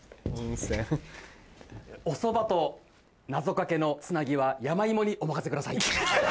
おそばと謎かけのつなぎは山イモにお任せください。